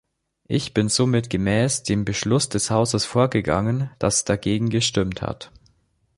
Ich bin somit gemäß dem Beschluss des Hauses vorgegangen, das dagegen gestimmt hat.